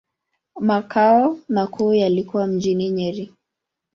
Makao makuu yalikuwa mjini Nyeri.